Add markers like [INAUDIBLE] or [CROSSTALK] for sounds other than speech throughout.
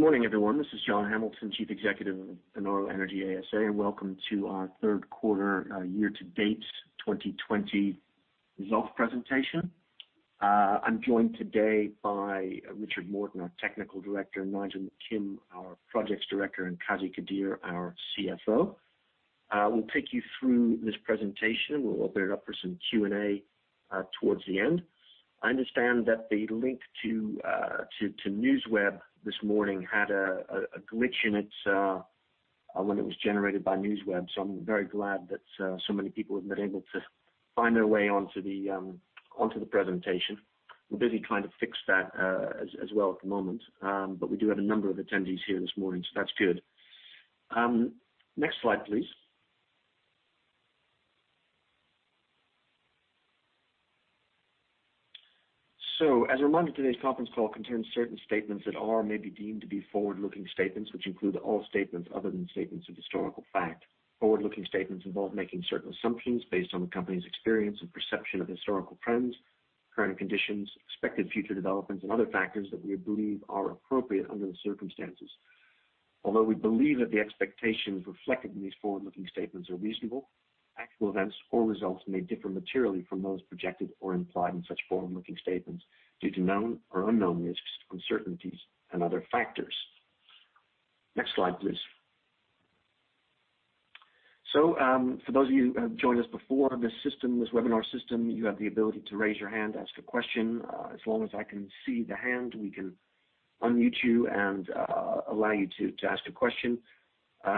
Good morning, everyone. This is John Hamilton, Chief Executive of Panoro Energy ASA. Welcome to our third quarter year-to-date 2020 results presentation. I'm joined today by Richard Morton, our Technical Director, Nigel McKim, our Projects Director, and Qazi Qadeer, our CFO. We'll take you through this presentation. We'll open it up for some Q&A towards the end. I understand that the link to NewsWeb this morning had a glitch in it when it was generated by NewsWeb. I'm very glad that so many people have been able to find their way onto the presentation. We're busy trying to fix that as well at the moment. We do have a number of attendees here this morning. That's good. Next slide, please. As a reminder, today's conference call contains certain statements that are or may be deemed to be forward-looking statements, which include all statements other than statements of historical fact. Forward-looking statements involve making certain assumptions based on the company's experience and perception of historical trends, current conditions, expected future developments, and other factors that we believe are appropriate under the circumstances. Although we believe that the expectations reflected in these forward-looking statements are reasonable, actual events or results may differ materially from those projected or implied in such forward-looking statements due to known or unknown risks, uncertainties, and other factors. Next slide, please. For those of you who have joined us before, this webinar system, you have the ability to raise your hand to ask a question. As long as I can see the hand, we can unmute you and allow you to ask a question.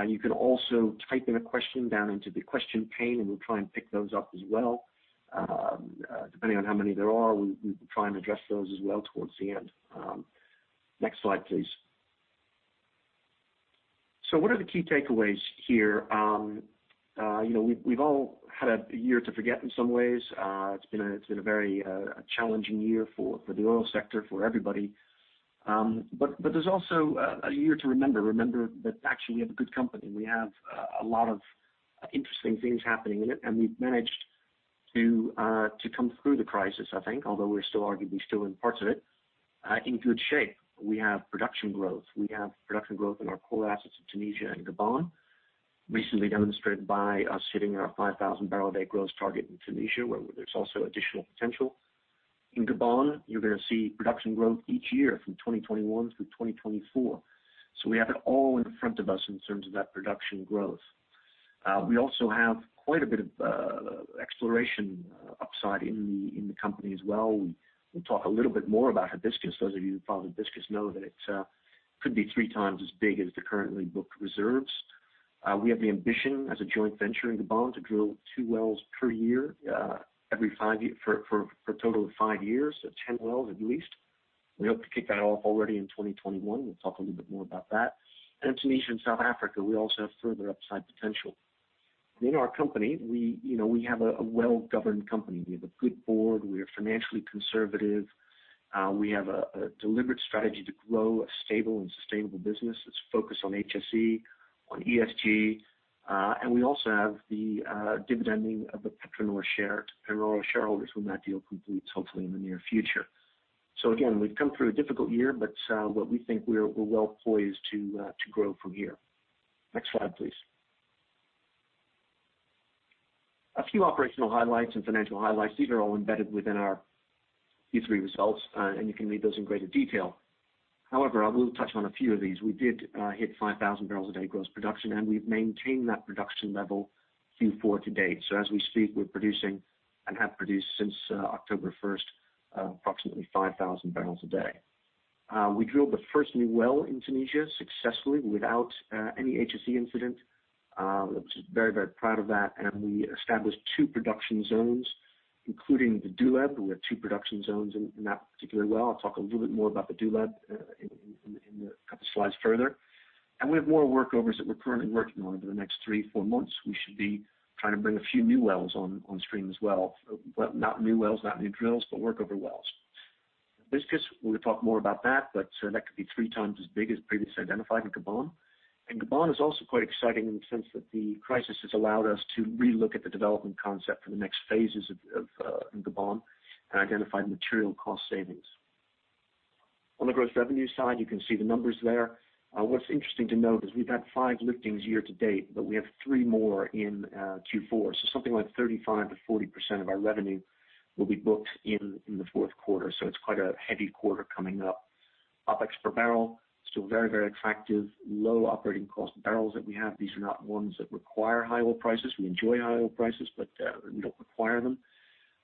You can also type in a question down into the question pane, and we'll try and pick those up as well. Depending on how many there are, we can try and address those as well towards the end. Next slide, please. What are the key takeaways here? We've all had a year to forget in some ways. It's been a very challenging year for the oil sector, for everybody. There's also a year to remember that actually, we have a good company, and we have a lot of interesting things happening in it, and we've managed to come through the crisis, I think, although we're arguably still in parts of it, in good shape. We have production growth. We have production growth in our core assets in Tunisia and Gabon, recently demonstrated by us hitting our 5,000 barrel a day growth target in Tunisia, where there's also additional potential. In Gabon, you're going to see production growth each year from 2021 through 2024. We have it all in front of us in terms of that production growth. We also have quite a bit of exploration upside in the company as well. We'll talk a little bit more about Hibiscus. Those of you who follow Hibiscus know that it could be 3x as big as the currently booked reserves. We have the ambition as a joint venture in Gabon to drill two wells per year for a total of five years, so 10 wells at least. We hope to kick that off already in 2021. We'll talk a little bit more about that. Tunisia and South Africa, we also have further upside potential. In our company, we have a well-governed company. We have a good board. We are financially conservative. We have a deliberate strategy to grow a stable and sustainable business that's focused on HSE, on ESG. We also have the dividending of the Panoro shareholders when that deal completes, hopefully in the near future. Again, we've come through a difficult year, but we think we're well poised to grow from here. Next slide, please. A few operational highlights and financial highlights. These are all embedded within our Q3 results, and you can read those in greater detail. However, I will touch on a few of these. We did hit 5,000 barrels a day gross production, and we've maintained that production level Q4 to date. As we speak, we're producing and have produced since October 1st, approximately 5,000 barrels a day. We drilled the first new well in Tunisia successfully without any HSE incident. We're very proud of that, and we established two production zones, including the Douleb. We have two production zones in that particular well. I'll talk a little bit more about the Douleb in a couple slides further. We have more work overs that we're currently working on over the next three, four months. We should be trying to bring a few new wells on stream as well. Well, not new wells, not new drills, but work-over wells. Hibiscus, we'll talk more about that, but that could be three times as big as previously identified in Gabon. Gabon is also quite exciting in the sense that the crisis has allowed us to re look at the development concept for the next phases of Gabon and identify material cost savings. On the gross revenue side, you can see the numbers there. What's interesting to note is we've had five liftings year to date, but we have three more in Q4. Something like 35%-40% of our revenue will be booked in the fourth quarter. It's quite a heavy quarter coming up. OpEx per barrel, still very, very attractive. Low operating cost barrels that we have. These are not ones that require high oil prices. We enjoy high oil prices, but we don't require them.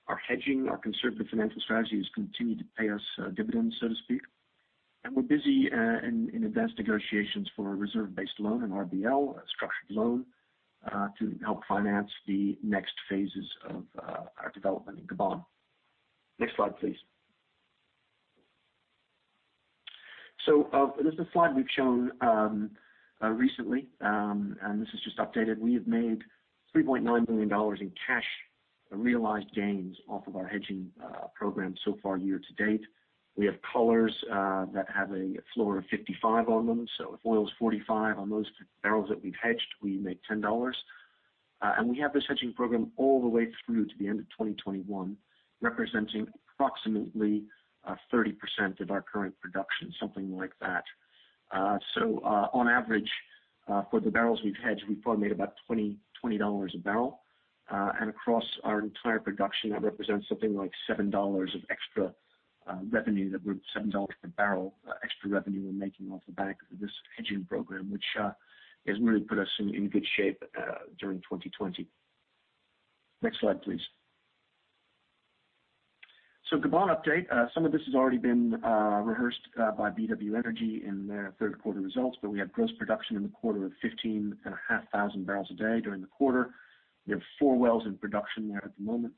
Our hedging, our conservative financial strategy has continued to pay us dividends, so to speak. We're busy in advanced negotiations for a reserve-based loan, an RBL, a structured loan, to help finance the next phases of our development in Gabon. Next slide, please. This is a slide we've shown recently, and this is just updated. We have made $3.9 billion in cash realized gains off of our hedging program so far year to date. We have collars that have a floor of $55 on them. If oil is $45 on those barrels that we've hedged, we make $10. We have this hedging program all the way through to the end of 2021, representing approximately 30% of our current production, something like that. On average, for the barrels we've hedged, we've probably made about $20 a barrel. Across our entire production, that represents something like $7 of extra revenue, that we're $7 per barrel extra revenue we're making off the back of this hedging program, which has really put us in good shape during 2020. Next slide, please. Gabon update. Some of this has already been rehearsed by BW Energy in their third quarter results, but we had gross production in the quarter of 15,500 barrels a day during the quarter. We have four wells in production there at the moment.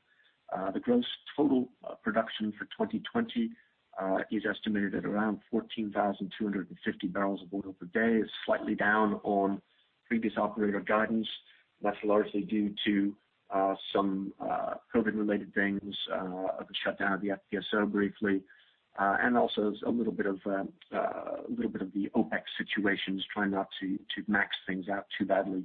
The gross total production for 2020 is estimated at around 14,250 barrels of oil per day. It's slightly down on previous operator guidance. That's largely due to some COVID-related things, the shutdown of the FPSO briefly, and also a little bit of the OpEx situations, trying not to max things out too badly.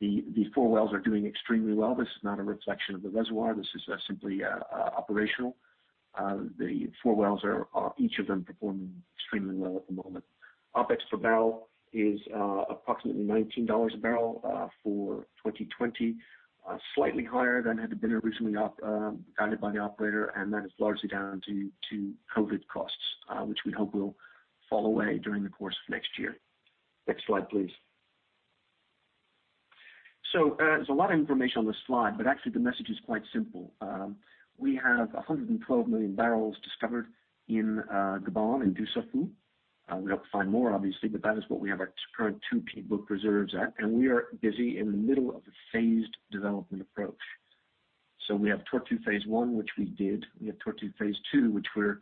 The four wells are doing extremely well. This is not a reflection of the reservoir, this is simply operational. The four wells are, each of them, performing extremely well at the moment. OpEx per barrel is approximately $19 a barrel for 2020, slightly higher than had been originally guided by the operator. That is largely down to COVID costs, which we hope will fall away during the course of next year. Next slide, please. There's a lot of information on this slide, but actually the message is quite simple. We have 112 million barrels discovered in Gabon in Dussafu. We hope to find more, obviously, but that is what we have our current 2P book reserves at. We are busy in the middle of a phased development approach. We have Tortue Phase One, which we did. We have Tortue Phase Two, which we're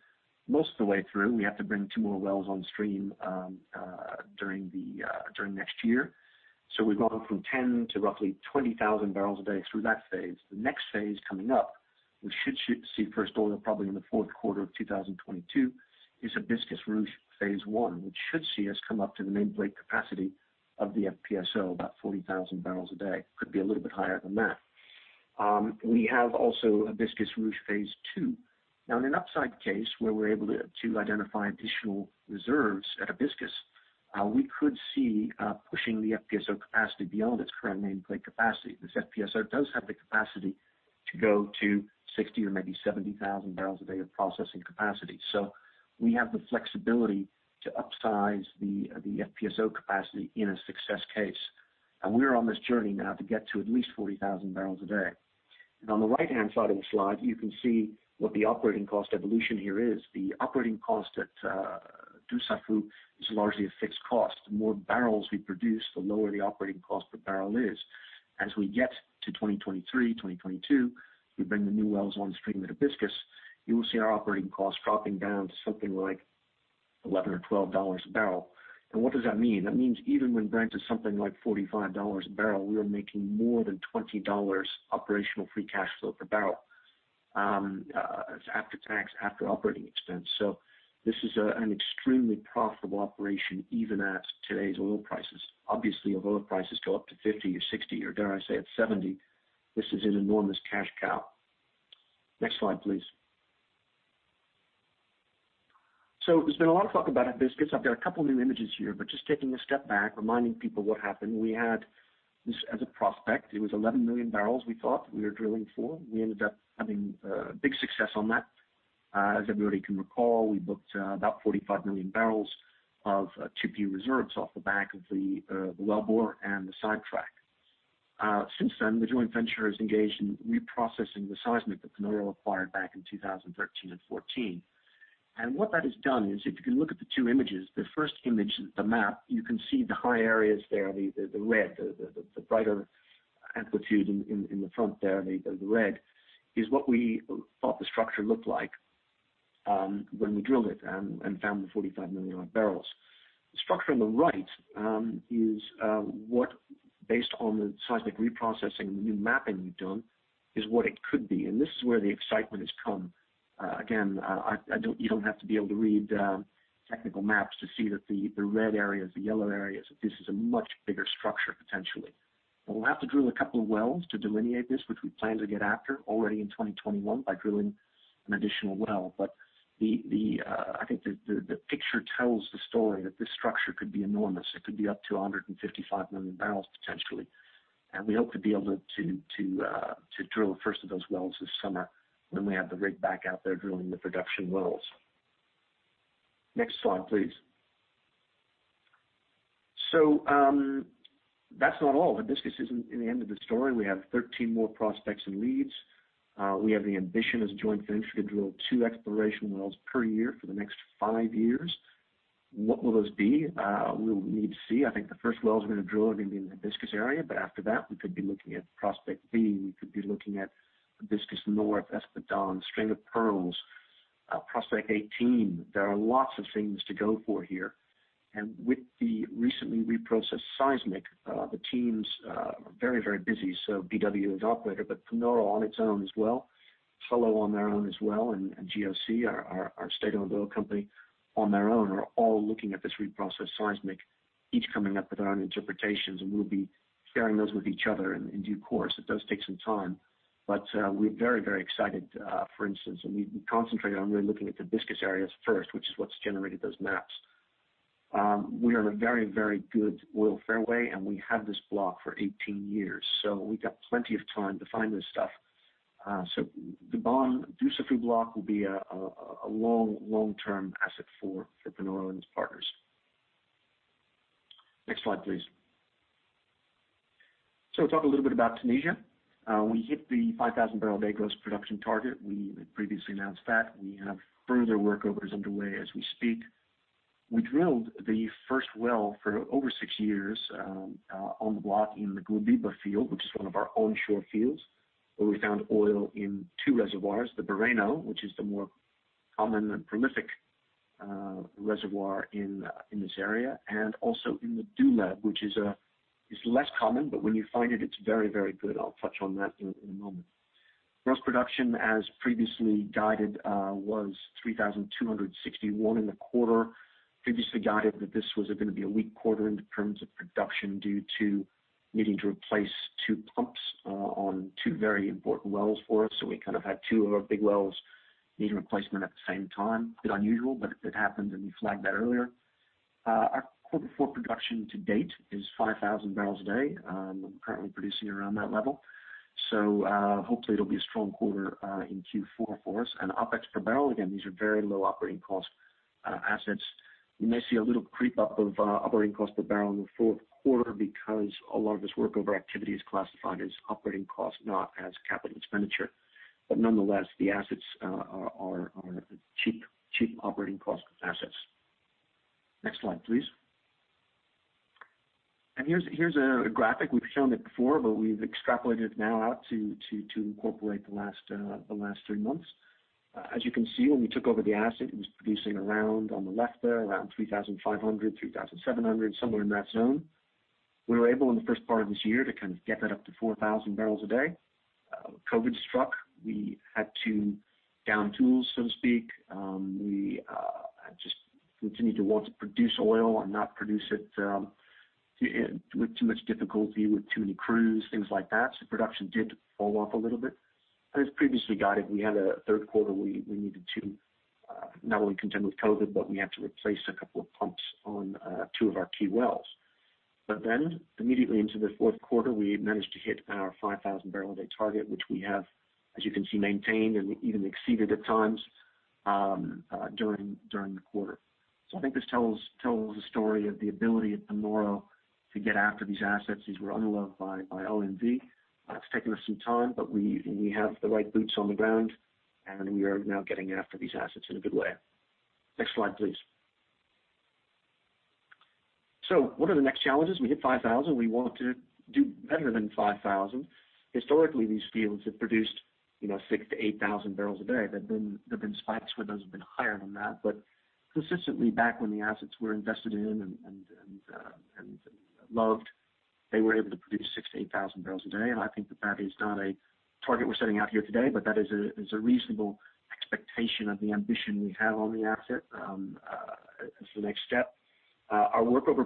most of the way through. We have to bring two more wells on stream during next year. We've gone from 10 to roughly 20,000 barrels a day through that phase. The next phase coming up, we should see first oil probably in the fourth quarter of 2022, is Hibiscus Ruche Phase One, which should see us come up to the nameplate capacity of the FPSO, about 40,000 barrels a day. Could be a little bit higher than that. We have also Hibiscus Ruche Phase Two. In an upside case where we're able to identify additional reserves at Hibiscus, we could see pushing the FPSO capacity beyond its current nameplate capacity. This FPSO does have the capacity to go to 60 or maybe 70,000 barrels a day of processing capacity. We have the flexibility to upsize the FPSO capacity in a success case. We're on this journey now to get to at least 40,000 barrels a day. On the right-hand side of the slide, you can see what the operating cost evolution here is. The operating cost at Dussafu is largely a fixed cost. The more barrels we produce, the lower the operating cost per barrel is. As we get to 2023, 2022, we bring the new wells on stream at Hibiscus, you will see our operating costs dropping down to something like $11 or $12 a barrel. What does that mean? That means even when Brent is something like $45 a barrel, we are making more than $20 operational free cash flow per barrel, as after tax, after operating expense. This is an extremely profitable operation, even at today's oil prices. Obviously, if oil prices go up to $50 or $60 or dare I say it, $70, this is an enormous cash cow. Next slide, please. So there's been a lot of talk about Hibiscus. I've got a couple new images here, but just taking a step back, reminding people what happened. We had this as a prospect. It was 11 million barrels we thought we were drilling for. We ended up having a big success on that. As everybody can recall, we booked about 45 million barrels of 2P reserves off the back of the well bore and the sidetrack. Since then, the joint venture has engaged in reprocessing the seismic that Panoro acquired back in 2013 and 2014. What that has done is, if you can look at the two images, the first image, the map, you can see the high areas there, the red, the brighter amplitude in the front there, the red, is what we thought the structure looked like when we drilled it and found the 45 million odd barrels. The structure on the right is what, based on the seismic reprocessing and the new mapping we've done, is what it could be. This is where the excitement has come. Again, you don't have to be able to read technical maps to see that the red areas, the yellow areas, that this is a much bigger structure potentially. We'll have to drill a couple of wells to delineate this, which we plan to get after already in 2021 by drilling an additional well. I think the picture tells the story that this structure could be enormous. It could be up to 155 million barrels potentially. We hope to be able to drill the first of those wells this summer when we have the rig back out there drilling the production wells. Next slide, please. That's not all. Hibiscus isn't the end of the story. We have 13 more prospects and leads. We have the ambition as a joint venture to drill two exploration wells per year for the next five years. What will those be? We'll need to see. I think the first well's we're going to drill are going to be in the Hibiscus area. After that, we could be looking at Prospect B, we could be looking at Hibiscus North, Espadon, String of Pearls, Prospect 18. There are lots of things to go for here. With the recently reprocessed seismic, the teams are very, very busy, so BW as operator, but Panoro on its own as well PetroNor on their own as well, and GOC, our state-owned oil company, on their own, are all looking at this reprocessed seismic, each coming up with their own interpretations, and we'll be sharing those with each other in due course. It does take some time, but we're very, very excited, for instance, and we concentrate on really looking at the Biscay areas first, which is what's generated those maps. We are in a very, very good oil fairway, and we have this block for 18 years, so we've got plenty of time to find this stuff. The Dussafu block will be a long, long-term asset for Panoro and its partners. Next slide, please. Let's talk a little bit about Tunisia. We hit the 5,000 barrel a day gross production target. We had previously announced that. We have further work overs underway as we speak. We drilled the first well for over six years on the block in the Guebiba field, which is one of our onshore fields, where we found oil in two reservoirs, the Bireno, which is the more common and prolific reservoir in this area, and also in the Douleb, which is less common, but when you find it's very, very good. I'll touch on that in a moment. Gross production, as previously guided, was 3,261 in the quarter. Previously guided that this was going to be a weak quarter in terms of production due to needing to replace two pumps on two very important wells for us. We kind of had two of our big wells need replacement at the same time. Bit unusual, but it happened, and we flagged that earlier. Our Q4 production to date is 5,000 barrels a day. We're currently producing around that level, hopefully it'll be a strong quarter in Q4 for us. OpEx per barrel, again, these are very low operating cost assets. You may see a little creep up of operating cost per barrel in the fourth quarter because a lot of this workover activity is classified as operating cost, not as capital expenditure. Nonetheless, the assets are cheap operating cost assets. Next slide, please. Here's a graphic. We've shown it before, we've extrapolated it now out to incorporate the last three months. As you can see, when we took over the asset, it was producing around, on the left there, around 3,500, 3,700, somewhere in that zone. We were able, in the first part of this year, to kind of get that up to 4,000 barrels a day. COVID struck. We had to down tools, so to speak. We just continued to want to produce oil and not produce it with too much difficulty, with too many crews, things like that. Production did fall off a little bit. As previously guided, we had a third quarter where we needed to not only contend with COVID, but we had to replace a couple of pumps on two of our key wells. Immediately into the fourth quarter, we managed to hit our 5,000 barrel a day target, which we have, as you can see, maintained and even exceeded at times during the quarter. I think this tells a story of the ability of Panoro to get after these assets. These were unloved by LMV. It's taken us some time, but we have the right boots on the ground, and we are now getting after these assets in a good way. Next slide, please. What are the next challenges? We hit 5,000. We want to do better than 5,000. Historically, these fields have produced 6,000 to 8,000 barrels a day. There have been spikes where those have been higher than that, but consistently back when the assets were invested in and loved, they were able to produce 6,000 to 8,000 barrels a day. I think that that is not a target we're setting out here today, but that is a reasonable expectation of the ambition we have on the asset as the next step. Our workover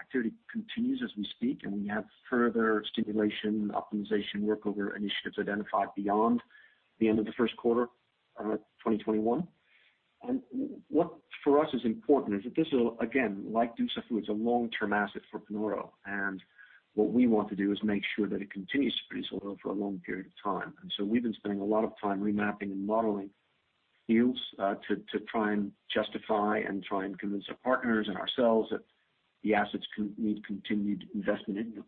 activity continues as we speak, and we have further stimulation, optimization, workover initiatives identified beyond the end of the first quarter of 2021. What for us is important is that this will, again, like Dussafu, it's a long-term asset for Panoro, and what we want to do is make sure that it continues to produce oil for a long period of time. We've been spending a lot of time remapping and modeling fields to try and justify and try and convince our partners and ourselves that the assets need continued investment in them.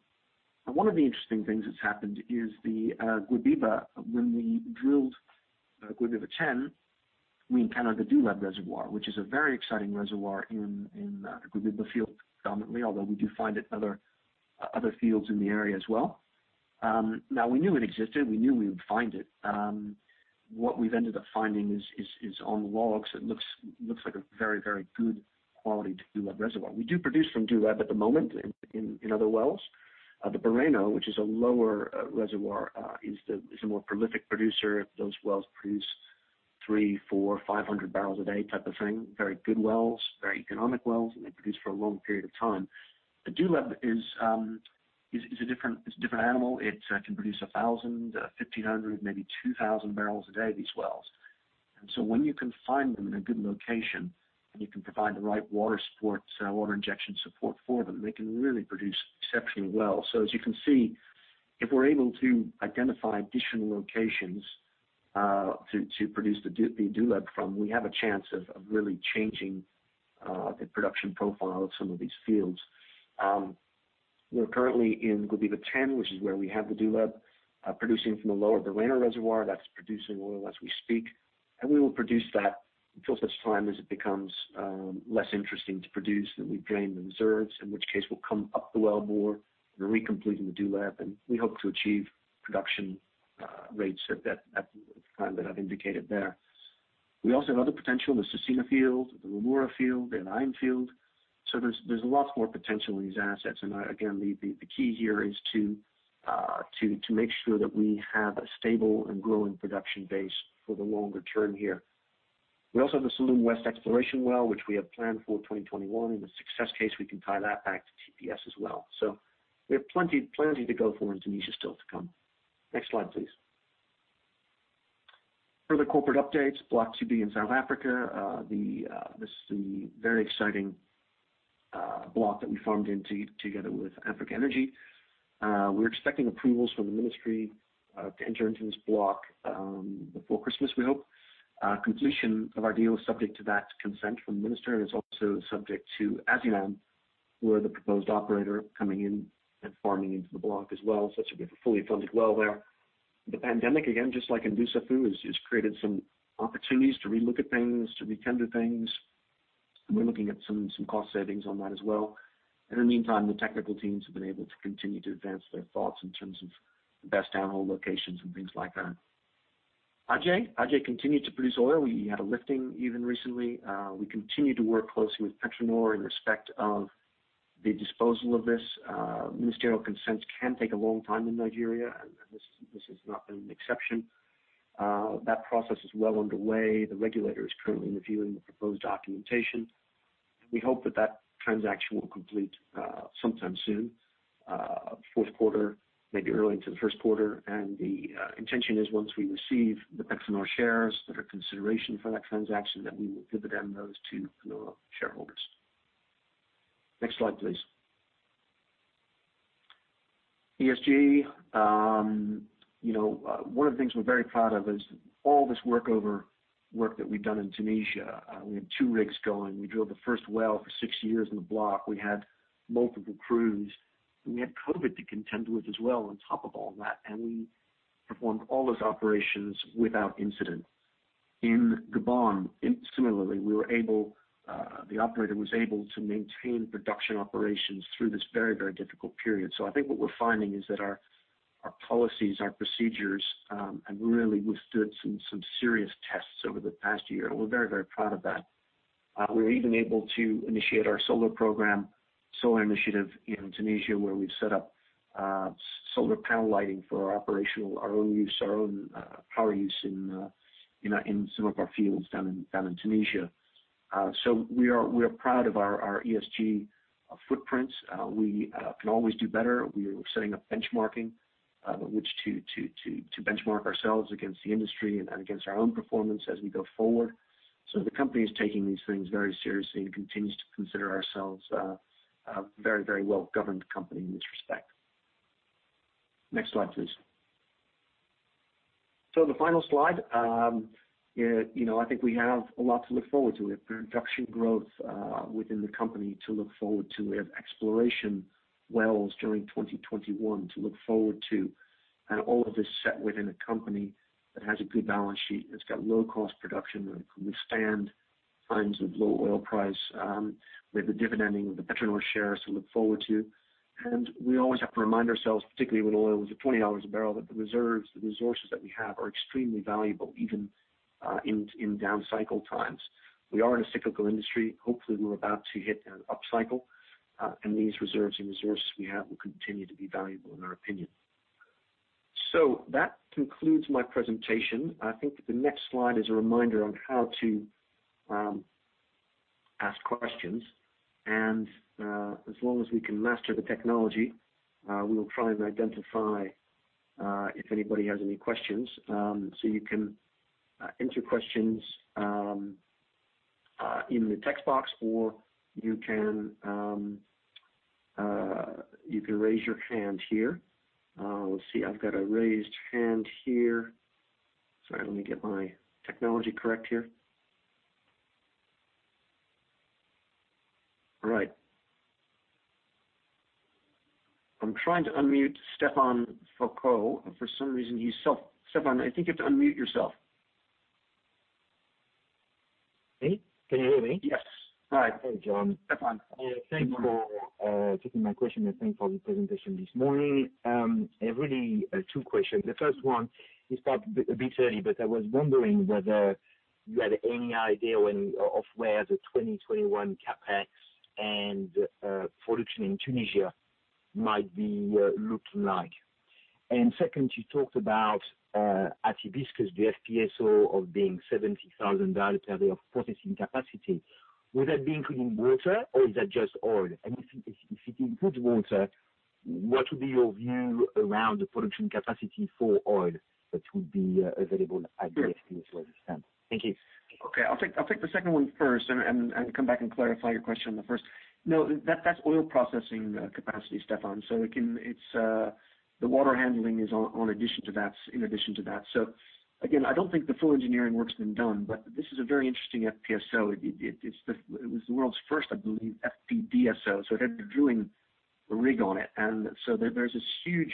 One of the interesting things that's happened is the Guebiba. When we drilled Guebiba 10, we encountered a Douleb reservoir, which is a very exciting reservoir in the Guebiba field, dominantly, although we do find it in other fields in the area as well. We knew it existed. We knew we would find it. What we've ended up finding is on the logs, it looks like a very, very good quality Douleb reservoir. We do produce from Douleb at the moment in other wells. The Bireno, which is a lower reservoir, is the more prolific producer. Those wells produce three, four, 500 barrels a day type of thing. Very good wells, very economic wells, and they produce for a long period of time. The Douleb is a different animal. It can produce 1,000, 1,500, maybe 2,000 barrels a day, these wells. When you can find them in a good location, and you can provide the right water injection support for them, they can really produce exceptionally well. As you can see, if we're able to identify additional locations to produce the Douleb from, we have a chance of really changing the production profile of some of these fields. We're currently in Guebiba 10, which is where we have the Douleb producing from the lower Bireno reservoir. That's producing oil as we speak. We will produce that until such time as it becomes less interesting to produce, and we've drained the reserves, in which case we'll come up the well more. We're re-completing the Douleb, and we hope to achieve production rates at the time that I've indicated there. We also have other potential in the Cercina field, the Rhemoura field, the El Ain field. There's a lot more potential in these assets. Again, the key here is to make sure that we have a stable and growing production base for the longer term here. We also have the Salloum West exploration well, which we have planned for 2021. In the success case, we can tie that back to TPS as well. We have plenty to go for in Tunisia still to come. Next slide, please. Further corporate updates. Block 2B in South Africa, this is the very exciting block that we farmed into together with Africa Energy. We're expecting approvals from the ministry, to enter into this block before Christmas, we hope. Completion of our deal is subject to that consent from the minister, and it's also subject to Azinam, who are the proposed operator, coming in and farming into the block as well, such that we have a fully funded well there. The pandemic, again, just like in Dussafu, has just created some opportunities to relook at things, to retender things, and we're looking at some cost savings on that as well. In the meantime, the technical teams have been able to continue to advance their thoughts in terms of the best anomaly locations and things like that. Aje. Aje continued to produce oil. We had a lifting even recently. We continue to work closely with PetroNor in respect of the disposal of this. Ministerial consents can take a long time in Nigeria. This has not been an exception. That process is well underway. The regulator is currently reviewing the proposed documentation. We hope that that transaction will complete sometime soon, fourth quarter, maybe early into the first quarter. The intention is once we receive the PetroNor shares that are consideration for that transaction, that we will dividend those to Panoro shareholders. Next slide, please. ESG. One of the things we're very proud of is all this workover work that we've done in Tunisia. We have two rigs going. We drilled the first well for six years in the block. We had multiple crews, and we had COVID to contend as well on top of all that, and we performed all those operations without incident. In Gabon, similarly, the operator was able to maintain production operations through this very, very difficult period. I think what we're finding is that our policies, our procedures, have really withstood some serious tests over the past year, and we're very, very proud of that. We were even able to initiate our solar program, solar initiative in Tunisia, where we've set up solar panel lighting for our operational, our own use, our own power use in some of our fields down in Tunisia. We are proud of our ESG footprints. We can always do better. We are setting up benchmarking, which to benchmark ourselves against the industry and against our own performance as we go forward. The company is taking these things very seriously and continues to consider ourselves a very, very well-governed company in this respect. Next slide, please. The final slide. I think we have a lot to look forward to. We have production growth within the company to look forward to. We have exploration wells during 2021 to look forward to. All of this set within a company that has a good balance sheet. It's got low-cost production that can withstand times of low oil price. We have the dividending of the PetroNor shares to look forward to. We always have to remind ourselves, particularly with oil below $20 a barrel, that the reserves, the resources that we have are extremely valuable, even in down cycle times. We are in a cyclical industry. Hopefully, we're about to hit an upcycle. These reserves and resources we have will continue to be valuable in our opinion. That concludes my presentation. I think that the next slide is a reminder on how to ask questions. As long as we can master the technology, we will try and identify if anybody has any questions. You can enter questions in the text box, or you can raise your hand here. Let's see. I've got a raised hand here. Sorry, let me get my technology correct here. All right. I'm trying to unmute Stephane Foucaud, for some reason, Stephane, I think you have to unmute yourself. Me? Can you hear me? Yes. Hi. Hey, John. Stephan. Thanks for taking my question, and thanks for the presentation this morning. I've really two questions. The first one, you start a bit early, but I was wondering whether you had any idea of where the 2021 CapEx and production in Tunisia might be looking like. Second, you talked about at Hibiscus, the FPSO of being $70,000 per day of processing capacity. Would that be including water, or is that just oil? If it includes water, what would be your view around the production capacity for oil that would be available at the FPSO as it stands? Thank you. Okay. I'll take the second one first and come back and clarify your question on the first. No, that's oil processing capacity, Stephane. The water handling is in addition to that. Again, I don't think the full engineering work's been done, but this is a very interesting FPSO. It was the world's first, I believe, FPDSO, so it had the drilling rig on it. There's this huge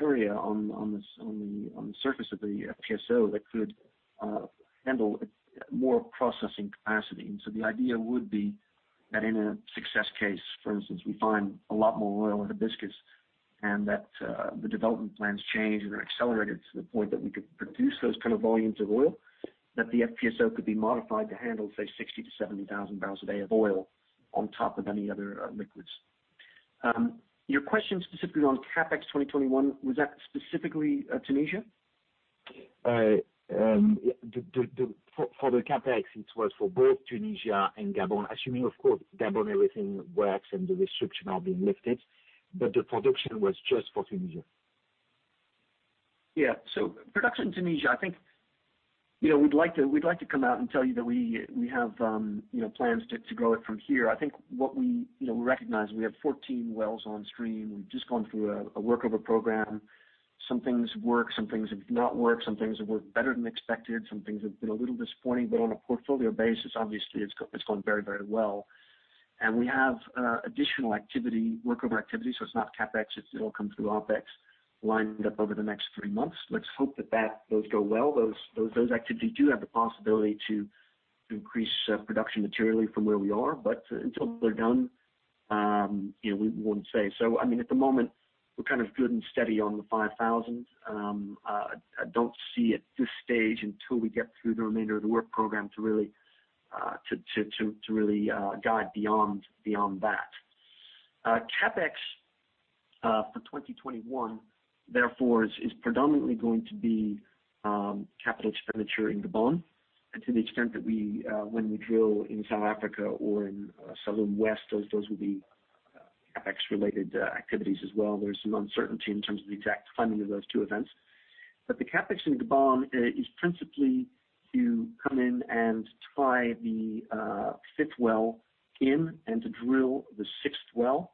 area on the surface of the FPSO that could handle more processing capacity. The idea would be that in a success case, for instance, we find a lot more oil at Hibiscus. The development plans change and are accelerated to the point that we could produce those kind of volumes of oil, that the FPSO could be modified to handle, say, 60,000 to 70,000 barrels a day of oil on top of any other liquids. Your question specifically on CapEx 2021, was that specifically Tunisia? For the CapEx, it was for both Tunisia and Gabon. Assuming, of course, Gabon, everything works and the restrictions are being lifted. The production was just for Tunisia. Yeah. Production Tunisia, I think, we'd like to come out and tell you that we have plans to grow it from here. I think what we recognize, we have 14 wells on stream. We've just gone through a workover program. Some things work, some things have not worked, some things have worked better than expected. Some things have been a little disappointing. On a portfolio basis, obviously, it's gone very well. We have additional workover activity, so it's not CapEx, it'll come through OpEx, lined up over the next three months. Let's hope that those go well. Those activities do have the possibility to increase production materially from where we are. Until they're done, we wouldn't say. At the moment, we're good and steady on the 5,000. I don't see at this stage until we get through the remainder of the work program to really guide beyond that. CapEx for 2021, therefore, is predominantly going to be capital expenditure in Gabon. To the extent that when we drill in South Africa or in Salloum West, those will be CapEx related activities as well. There's some uncertainty in terms of the exact timing of those two events. The CapEx in Gabon is principally to come in and tie the fifth well in and to drill the sixth well,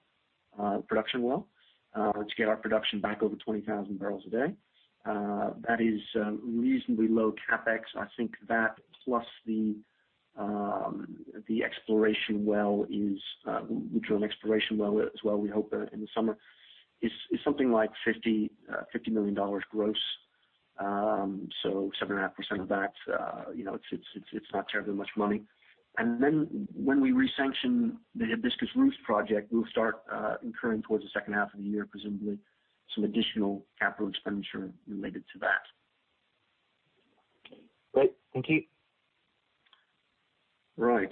production well, to get our production back over 20,000 barrels a day. That is reasonably low CapEx. I think that plus the exploration well is, we drill an exploration well as well, we hope in the summer, is something like $50 million gross. 7.5% of that, it's not terribly much money. When we re-sanction the Hibiscus Ruche project, we'll start incurring towards the second half of the year, presumably, some additional capital expenditure related to that. Okay. Great. Thank you. Right.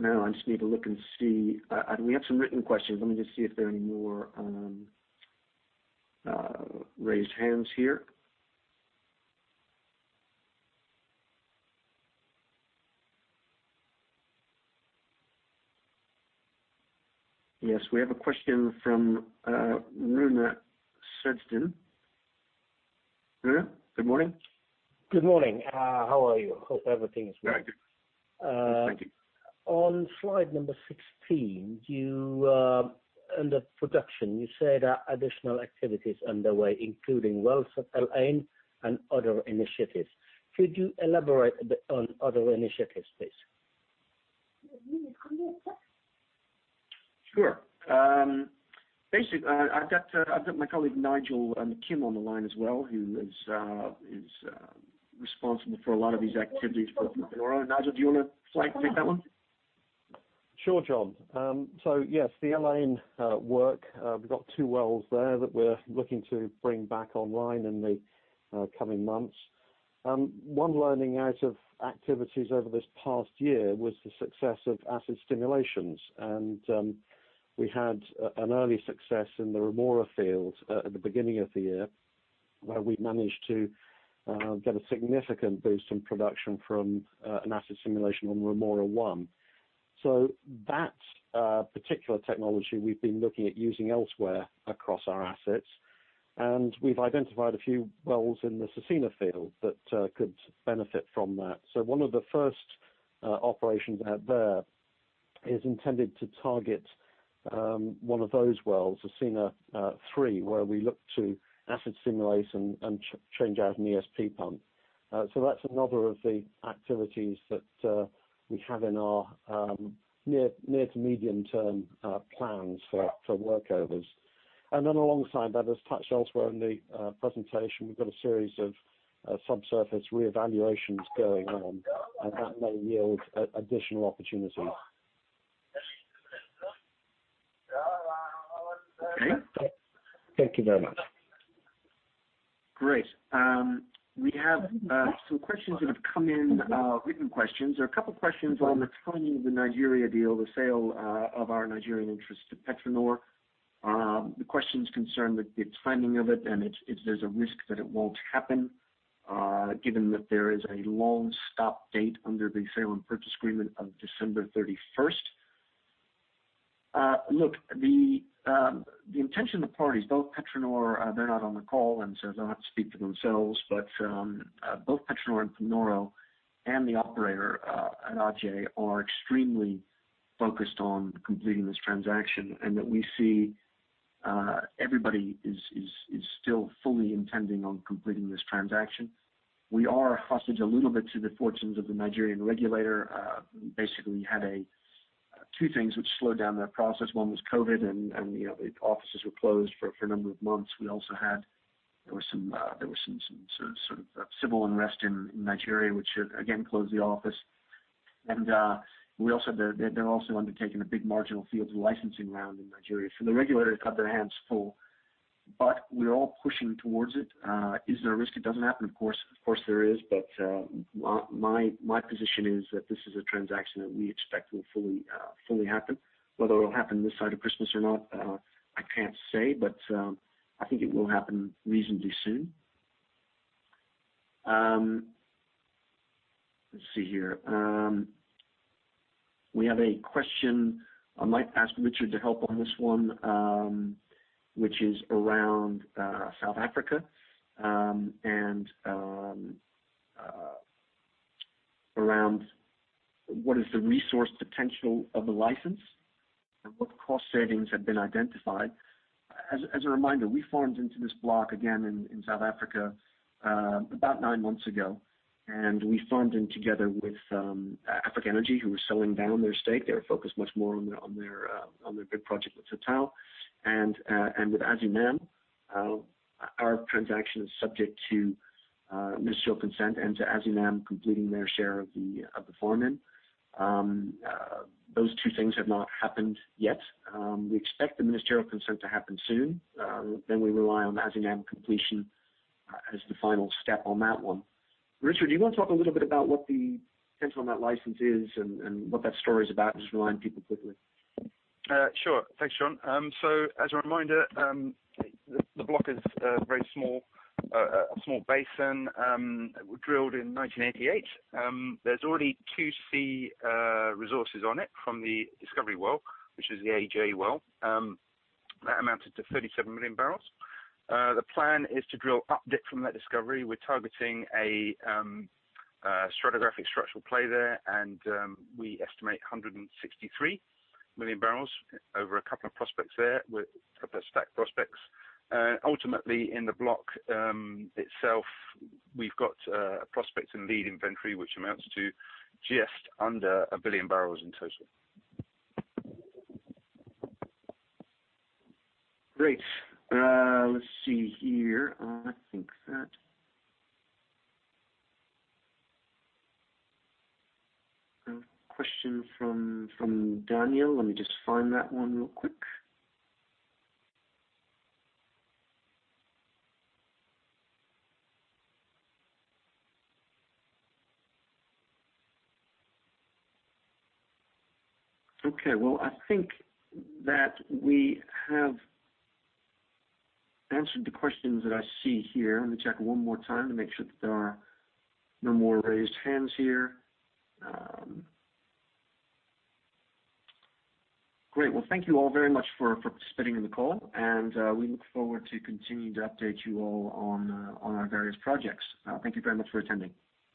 Now I just need to look and see. We have some written questions. Let me just see if there are any more raised hands here. Yes, we have a question from Runa Sudsen. Runa, good morning. Good morning. How are you? Hope everything is well. Very good. Yes, thank you. On slide number 16, under production, you said additional activities underway, including wells at El Ain and other initiatives. Could you elaborate a bit on other initiatives, please? Sure. Basically, I've got my colleague, Nigel McKim, on the line as well, who is responsible for a lot of these activities for Panoro. Nigel, do you want to take that one? Sure, John. Yes, the El Ain work, we've got two wells there that we're looking to bring back online in the coming months. One learning out of activities over this past year was the success of acid stimulations. We had an early success in the Rhemoura field at the beginning of the year, where we managed to get a significant boost in production from an acid simulation on Rhemoura-1. That particular technology we've been looking at using elsewhere across our assets, and we've identified a few wells in the Cercina field that could benefit from that. One of the first operations out there is intended to target one of those wells, Cercina 3, where we look to acid stimulate and change out an ESP pump. That's another of the activities that we have in our near to medium-term plans for workovers. Alongside that, as touched elsewhere in the presentation, we've got a series of subsurface reevaluations going on, and that may yield additional opportunities. [INAUDIBLE] Thank you very much. Great. We have some questions that have come in, written questions. There are a couple of questions on the timing of the Nigeria deal, the sale of our Nigerian interest to PetroNor. The questions concern the timing of it and if there's a risk that it won't happen, given that there is a long stop date under the sale and purchase agreement of December 31st. Look, the intention of the parties, both PetroNor, they're not on the call, they'll have to speak for themselves. Both PetroNor and Panoro and the operator, Aje, are extremely focused on completing this transaction and that we see everybody is still fully intending on completing this transaction. We are hostage a little bit to the fortunes of the Nigerian regulator. Basically, we had two things which slowed down their process. One was COVID. The offices were closed for a number of months. We also had some civil unrest in Nigeria, which again, closed the office. They're also undertaking a big marginal fields licensing round in Nigeria. The regulators have their hands full, but we're all pushing towards it. Is there a risk it doesn't happen? Of course there is. My position is that this is a transaction that we expect will fully happen. Whether it'll happen this side of Christmas or not, I can't say, but I think it will happen reasonably soon. Let's see here. We have a question. I might ask Richard to help on this one, which is around South Africa, and around what is the resource potential of the license and what cost savings have been identified. As a reminder, we farmed into this block again in South Africa about nine months ago, and we farmed in together with Africa Energy, who were selling down their stake. They were focused much more on their big project with Total and with Azinam. Our transaction is subject to ministerial consent and to Azinam completing their share of the farm-in. Those two things have not happened yet. We expect the ministerial consent to happen soon. We rely on Azinam completion as the final step on that one. Richard, do you want to talk a little bit about what the potential on that license is and what that story is about? Just remind people quickly. Sure. Thanks, John. As a reminder, the block is very small, a small basin drilled in 1988. There's already 2C resources on it from the discovery well, which is the Aje well. That amounted to 37 million barrels. The plan is to drill up dip from that discovery. We're targeting a stratigraphic structural play there, and we estimate 163 million barrels over a couple of prospects there with a couple of stack prospects. Ultimately in the block itself, we've got a prospects and lead inventory which amounts to just under 1 billion barrels in total. Great. Let's see here. I think that a question from Daniel. Let me just find that one real quick. Okay. Well, I think that we have answered the questions that I see here. Let me check one more time to make sure that there are no more raised hands here. Great. Well, thank you all very much for participating in the call, and we look forward to continuing to update you all on our various projects. Thank you very much for attending.